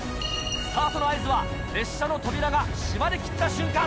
スタートの合図は列車の扉が閉まり切った瞬間。